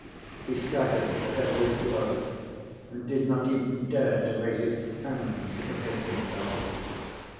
He staggered at every blow and did not even dare to raise his hands to protect himself.